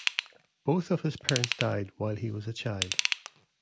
Both of his parents died while he was a child.